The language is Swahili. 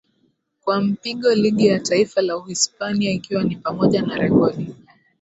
Kwa mpigo ligi ya Taifa la Uhispania ikiwa ni pamoja na rekodi